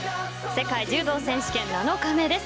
世界柔道選手権７日目です。